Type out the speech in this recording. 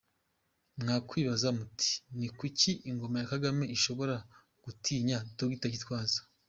Mwakwibaza muti ni kuki ingoma ya kagame ishobora gutinya Dr. Gitwaza?